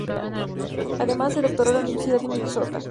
Además, se doctoró en la universidad de Minnesota.